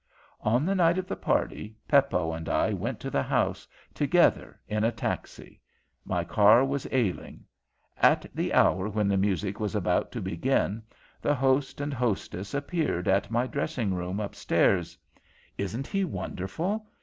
"On the night of the party, Peppo and I went to the house together in a taxi. My car was ailing. At the hour when the music was about to begin, the host and hostess appeared at my dressing room, up stairs. Isn't he wonderful?